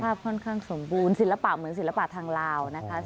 ค่อนข้างสมบูรณ์ศิลปะเหมือนศิลปะทางลาวนะคะ